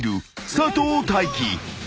佐藤大樹］